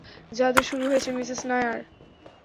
জাদু শুরু হয়েছে, মিসেস নায়ার!